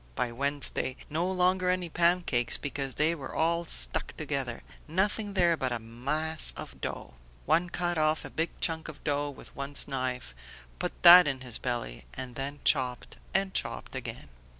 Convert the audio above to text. By Wednesday, no longer any pancakes, because they were all stuck together; nothing there but a mass of dough. One cut off a big chunk of dough with one's knife, put that in his belly, and then chopped and chopped again!"